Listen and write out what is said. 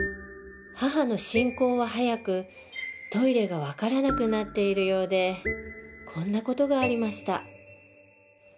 母の進行は速くトイレが分からなくなっているようでこんな事がありました